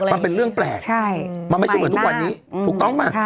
มันเป็นเรื่องแปลกมันไม่ใช่เหมือนทุกวันนี้ถูกต้องป่ะ